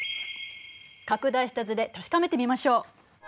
拡大した図で確かめてみましょう。